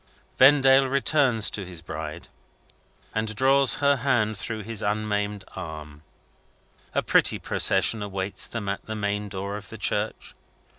Vendale returns to his bride, and draws her hand through his unmaimed arm. A pretty procession awaits them at the main door of the church.